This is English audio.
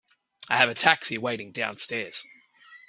I have a taxi waiting downstairs.